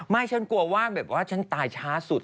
ฉันกลัวว่าแบบว่าฉันตายช้าสุด